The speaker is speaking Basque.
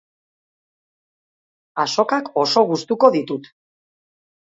Azokak oso gustuko ditut.